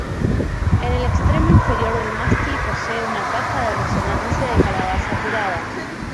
En el extremo inferior del mástil posee una caja de resonancia de calabaza curada.